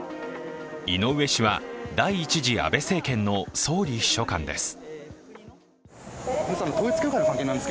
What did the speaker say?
井上氏は、第一次安倍政権の総理秘書官です。